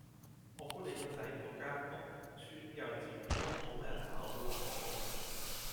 我估你個仔嗰間屋邨幼稚園應該冇乜人考到啊可